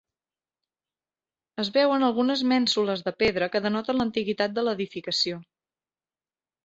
Es veuen algunes mènsules de pedra que denoten l'antiguitat de l'edificació.